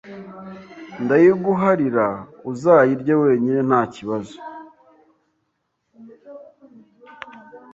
ndayiguharira uzayirye wenyine ntakibazo